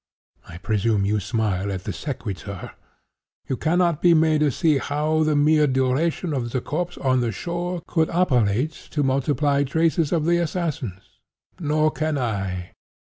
I presume you smile at the sequitur. You cannot be made to see how the mere duration of the corpse on the shore could operate to multiply traces of the assassins. Nor can I.